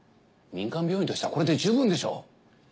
民間病院としてはこれで十分でしょう。